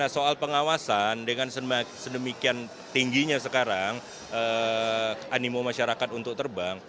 soal pengawasan dengan sedemikian tingginya sekarang animo masyarakat untuk terbang